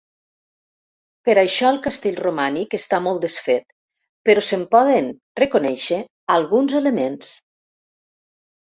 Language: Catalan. Per això el castell romànic està molt desfet, però se'n poden reconèixer alguns elements.